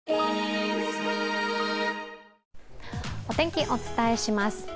お天気、お伝えします。